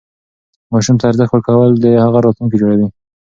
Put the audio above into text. ماشوم ته ارزښت ورکول د هغه راتلونکی جوړوي.